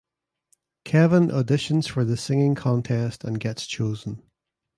Kevin auditions for the singing contest and gets chosen.